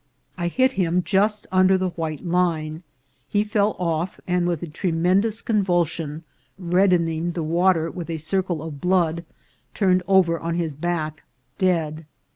I hit him just under the white line ; he fell off, and with a tremendous convulsion, reddening the water with a circle of blood, turned over on his back, dead.